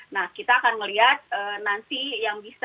nah kita akan melihat nanti yang bisa